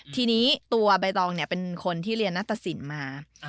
ทีนี้ตัวใบตองเนี่ยเป็นคนที่เรียนนัฏศิลป์มา